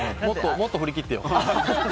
もっと振り切ってよ。